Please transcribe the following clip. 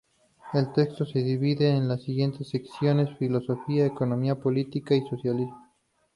El texto se divide en las siguientes secciones: "Filosofía", "Economía política" y "Socialismo".